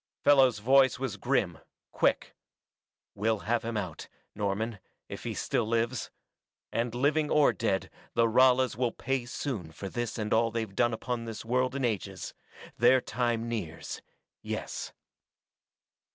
Fellows' voice was grim, quick. "We'll have him out. Norman, if he still lives. And living or dead, the Ralas will pay soon for this and for all they've done upon this world in ages. Their time nears yes."